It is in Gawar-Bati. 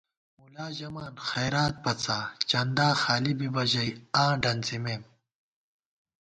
مُلا ژَمان خیرات پَڅا، چندا خالی بِبہ ژَئی آں ڈنڅِمېم